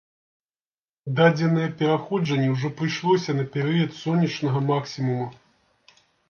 Дадзенае праходжанне ўжо прыйшлося на перыяд сонечнага максімуму.